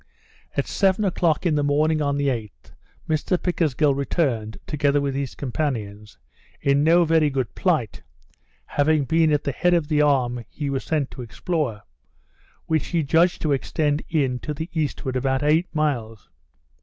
At seven in the morning, on the 8th, Mr Pickersgill returned, together with his companions, in no very good plight, having been at the head of the arm he was sent to explore, which he judged to extend in to the eastward about eight miles.